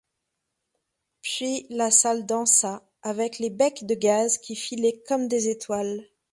Puis, la salle dansa, avec les becs de gaz qui filaient comme des étoiles.